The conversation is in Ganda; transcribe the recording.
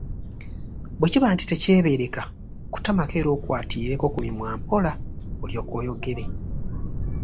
Bwekiba nti tekyebeereka kutamako era okwatirireko ku mimwa mpola, olyoke oyogere.